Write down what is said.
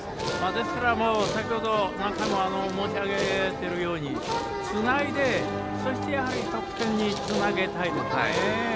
何回も申し上げているようにつないでそして得点につなげたいですね。